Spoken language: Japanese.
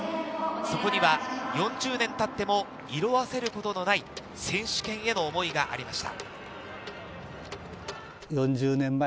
そこには４０年経っても色あせることのない選手権への思いがありました。